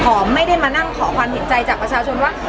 ไม่ได้มานั่งขอความเห็นใจจากประชาชนว่า